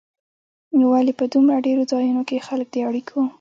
نو ولې په دومره ډېرو ځایونو کې خلک د اړیکو